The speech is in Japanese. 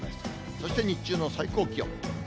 そして日中の最高気温。